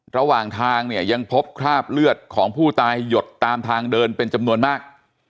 ระหว่างทางเนี่ยยังพบคราบเลือดของผู้ตายหยดตามทางเดินเป็นจำนวนมาก